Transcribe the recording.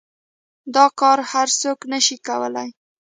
دا كار هر سوك نشي كولاى.